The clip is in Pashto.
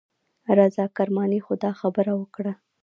رضا کرماني خو دا خبره وکړه.